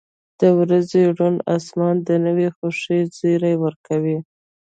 • د ورځې روڼ آسمان د نوې خوښۍ زیری ورکوي.